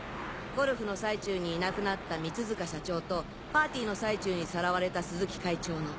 ゴルフの最中にいなくなった三塚社長とパーティーの最中にさらわれた鈴木会長の。